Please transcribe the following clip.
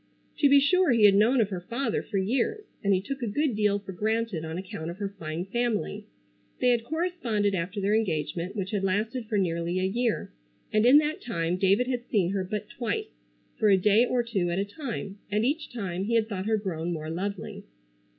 To be sure he had known of her father for years, and he took a good deal for granted on account of her fine family. They had corresponded after their engagement which had lasted for nearly a year, and in that time David had seen her but twice, for a day or two at a time, and each time he had thought her grown more lovely.